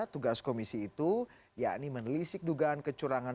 tugas komisi itu yakni menelisik dugaan kecurangan